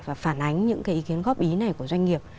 và phản ánh những cái ý kiến góp ý này của doanh nghiệp